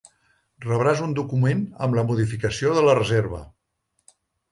Rebràs un document amb la modificació de la reserva.